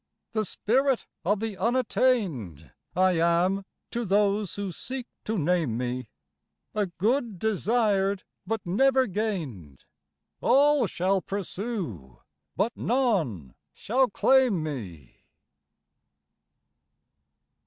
"The spirit of the unattained, I am to those who seek to name me, A good desired but never gained: All shall pursue, but none shall claim me."